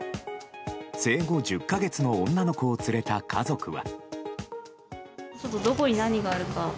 生後１０か月の女の子を連れた家族は。